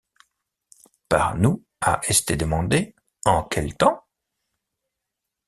Par nous ha esté demandé: En quel temps?